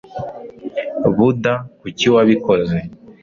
Buda kuki wabikoze